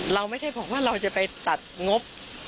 เราไม่ใช่บอกว่าเราจะไปตัดงบ